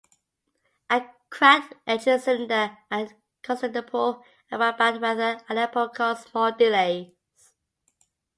A cracked engine cylinder at Constantinople, and bad weather at Aleppo caused more delays.